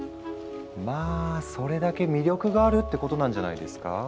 まあそれだけ魅力があるってことなんじゃないですか。